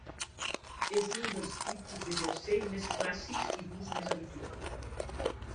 És un dels tipus de jersei més clàssics i d'ús més habitual.